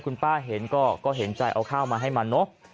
คุณป้าเห็นก็เห็นใจเอาข้าวมาให้มันเนอะ